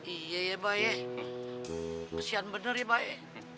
iya ya pak ye kesian bener ya pak ye